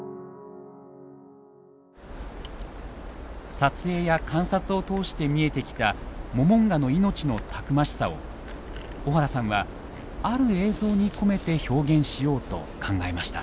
撮影や観察を通して見えてきたモモンガの命のたくましさを小原さんはある映像に込めて表現しようと考えました。